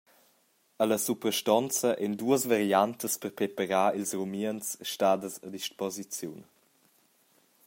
Alla suprastonza ein duas variantas per preparar ils rumians stadas a disposiziun.